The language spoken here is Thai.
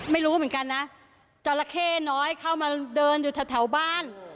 ไม่รู้เหมือนกันนะจราเข้น้อยเข้ามาเดินอยู่แถวบ้าน